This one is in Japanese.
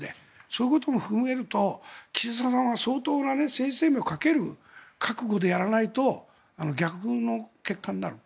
そういうことも踏まえると岸田さんは相当な、政治生命をかける覚悟でやらないと逆の結果になる。